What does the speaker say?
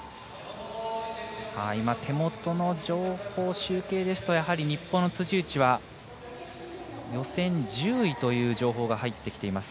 手元の情報、集計ですとやはり日本の辻内は予選１０位という情報が入ってきています。